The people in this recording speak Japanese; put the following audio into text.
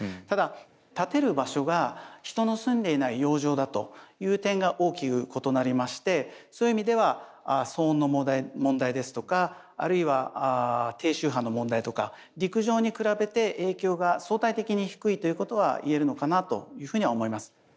ただ建てる場所が人の住んでいない洋上だという点が大きく異なりましてそういう意味では騒音の問題ですとかあるいは低周波の問題とか陸上に比べて影響が相対的に低いということはいえるのかなというふうには思います。